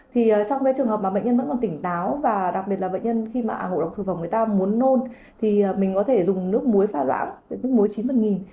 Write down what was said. trong trường hợp mà bệnh nhân vẫn còn tỉnh táo và đặc biệt là bệnh nhân khi mà ngộ độc thực phẩm người ta muốn nôn thì mình có thể dùng nước muối pha loãng nước muối chín bằng nghìn